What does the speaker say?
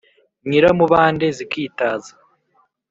Nyiramubande zikitaza